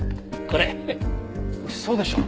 嘘でしょ！？